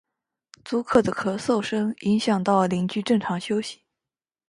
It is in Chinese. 租客的咳嗽声影响到邻居正常休息